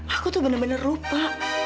aku tuh bener bener lupa